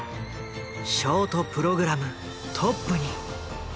ショートプログラムトップに。